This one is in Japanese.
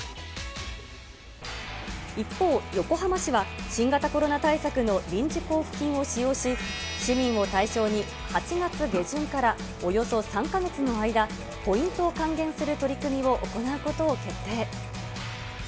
一方、横浜市は、新型コロナ対策の臨時交付金を使用し、市民を対象に８月下旬からおよそ３か月の間、ポイントを還元する取り組みを行うことを決定。